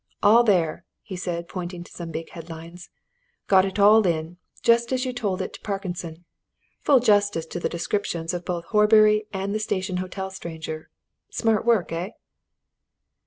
"All there!" he said, pointing to some big headlines. "Got it all in, just as you told it to Parkinson. Full justice to the descriptions of both Horbury and the Station Hotel stranger. Smart work, eh?"